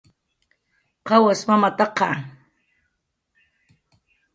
¿Qawas mamataqa?